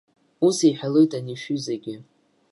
Ус иҳәалоит ани шәҩызагьы.